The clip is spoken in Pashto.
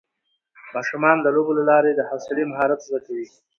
ماشومان د لوبو له لارې د حوصلې مهارت زده کوي